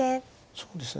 そうですね